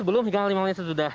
belum hingga lima menit sesudah